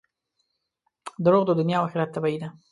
• دروغ د دنیا او آخرت تباهي ده.